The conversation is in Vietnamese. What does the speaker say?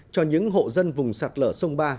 cho những hộ dân vùng sạt lở sông ba